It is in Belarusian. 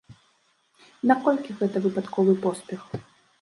Наколькі гэта выпадковы поспех?